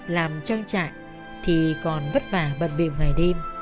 làm trang trại thì còn vất vả bận bều ngày đêm